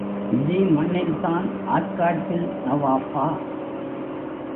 இதே மண்ணில்தான் ஆற்காட்டு நவாப்பா?